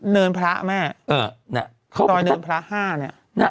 เนินพระแม่ตรอยเนินพระห้า